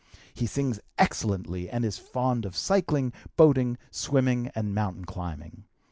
He sings excellently, and is fond of cycling, boating, swimming, and mountain climbing.